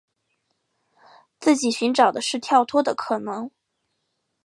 自己寻找的是跳脱的可能